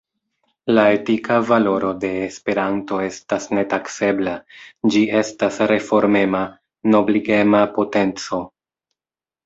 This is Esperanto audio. La etika valoro de Esperanto estas netaksebla: Ĝi estas reformema, nobligema potenco.